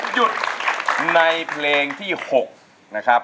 หยุดในเพลงที่๖นะครับ